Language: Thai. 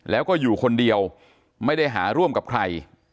แล้วก็อยู่คนเดียวไม่ได้หาร่วมกับใคร